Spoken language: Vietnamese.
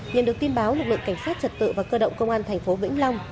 nhận được tin báo lực lượng cảnh sát trật tự và cơ động công an thành phố vĩnh long